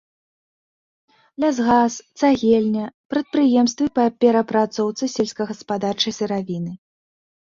Лясгас, цагельня, прадпрыемствы па перапрацоўцы сельскагаспадарчай сыравіны.